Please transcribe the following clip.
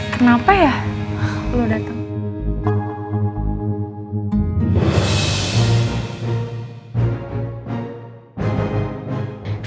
kenapa ya lo dateng